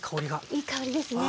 いい香りですね。